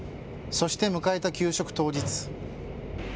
そして迎えた給食当日。